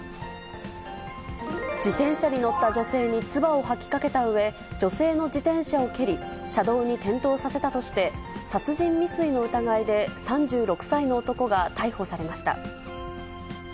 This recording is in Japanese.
自転車に乗った女性に唾を吐きかけたうえ、女性の自転車を蹴り、車道に転倒させたとして、殺人未遂の疑いで３６歳の男が逮捕されました。